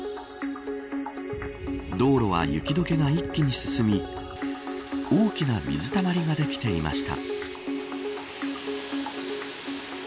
道路は雪解けが一気に進み大きな水たまりができていました。